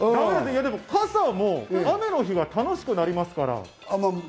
傘も雨の日が楽しくなりますから。